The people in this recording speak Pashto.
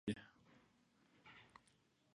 د ښار په سړکونو کې تګ راتګ ډېر ګڼه ګوڼه لري.